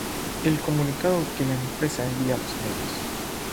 el comunicado que la empresa envía a los medios